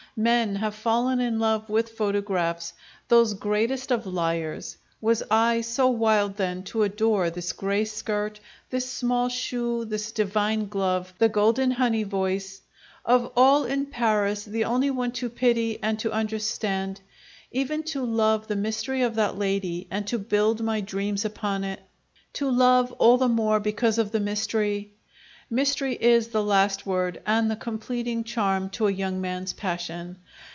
Men have fallen in love with photographs, those greatest of liars; was I so wild, then, to adore this grey skirt, this small shoe, this divine glove, the golden honey voice of all in Paris the only one to pity and to understand? Even to love the mystery of that lady and to build my dreams upon it? to love all the more because of the mystery? Mystery is the last word and the completing charm to a young man's passion.